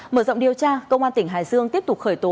mở rộng điều tra công an tỉnh hải dương tiếp tục khởi tố